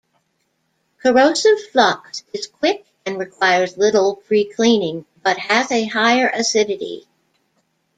Corrosive flux is quick and requires little precleaning, but has a higher acidity.